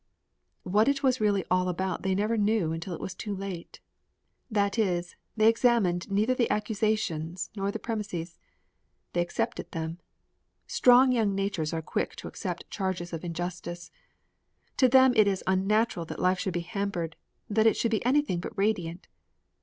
What it was really all about they never knew until it was too late. That is, they examined neither the accusations nor the premises. They accepted them. Strong young natures are quick to accept charges of injustice. To them it is unnatural that life should be hampered, that it should be anything but radiant.